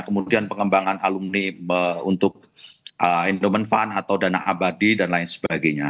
kemudian pengembangan alumni untuk endorment fund atau dana abadi dan lain sebagainya